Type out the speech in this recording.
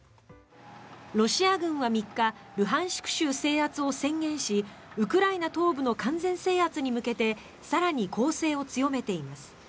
ロシア軍は３日ルハンシク州制圧を宣言しウクライナ東部の完全制圧に向けて更に攻勢を強めています。